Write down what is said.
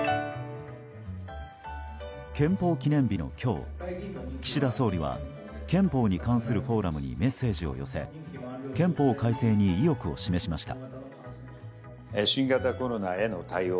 憲法記念日の今日、岸田総理は憲法に関するフォーラムにメッセージを寄せ憲法改正に意欲を示しました。